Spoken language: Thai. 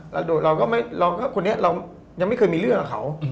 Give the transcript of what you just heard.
แล้วเราก็คนนี้เรายังไม่เคยมีเรื่องกับเขา